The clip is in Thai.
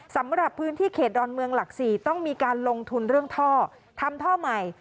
สำหรับพื้นที่เขตดอนเมืองหลัก๔ต้องมีการลงทุนเรื่องท่อทำท่อใหม่